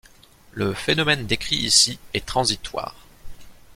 Le phénomène décrit ici est transitoire.